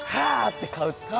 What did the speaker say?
って買う。